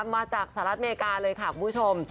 มาจากสหรัฐอเมริกาเลยค่ะคุณผู้ชม